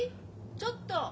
ちょっと。